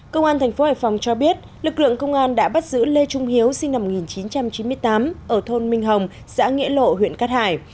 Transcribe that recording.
công an thành phố hải phòng cho biết lực lượng công an đã bắt giữ lê trung hiếu sinh năm một nghìn chín trăm chín mươi tám ở thôn minh hồng xã nghĩa lộ huyện cát hải